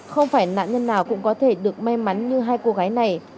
không phải nạn nhân nào cũng có thể được may mắn như hai cô gái này